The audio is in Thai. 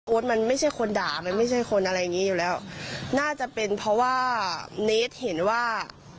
มันไม่ใช่คนด่ามันไม่ใช่คนอะไรอย่างงี้อยู่แล้วน่าจะเป็นเพราะว่าเนสเห็นว่า